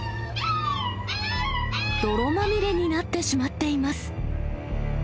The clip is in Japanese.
泥まみれになってしまっています。